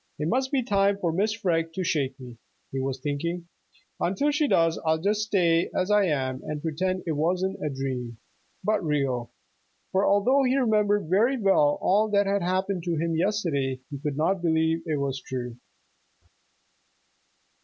"It must be time for Mrs. Freg to shake me," he was thinking. "Until she does I'll just stay as I am and pretend it wasn't a dream, but real." For although he remembered very well all that had happened to him yesterday, he could not believe it was true.